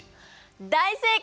大正解！